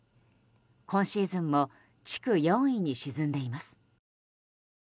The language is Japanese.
今シーズンも地区４位に沈んでいます。